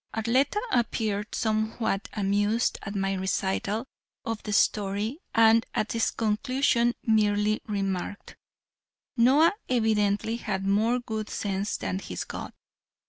Arletta appeared somewhat amused at my recital of the story and at its conclusion merely remarked: "Noah evidently had more good sense than his god."